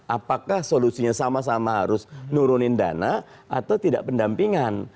apakah solusinya sama sama harus nurunin dana atau tidak pendampingan